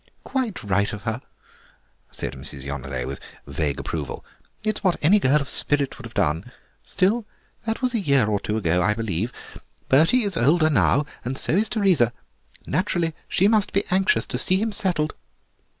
"Quite right of her," said Mrs. Yonelet with vague approval; "it's what any girl of spirit would have done. Still, that was a year or two ago, I believe; Bertie is older now, and so is Teresa. Naturally she must be anxious to see him settled."